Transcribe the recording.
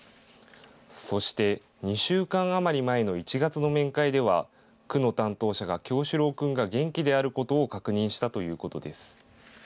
そして２週間余り前の１月の面会では、区の担当者が叶志郎君が元気であることを確認したということです。